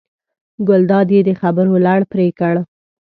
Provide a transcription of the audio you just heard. ګلداد یې د خبرو لړ پرې کړ.